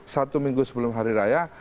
satu minggu sebelum hari raya